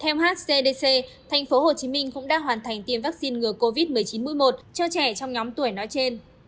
theo hcdc tp hcm cũng đã hoàn thành tiêm vaccine ngừa covid một mươi chín mũi một cho trẻ trong nhóm tuổi nói trên